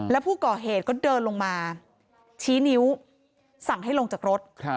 แล้วผู้ก่อเหตุก็เดินลงมาชี้นิ้วสั่งให้ลงจากรถ